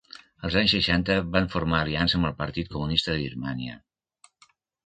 Als anys seixanta van formar aliança amb el Partit Comunista de Birmània.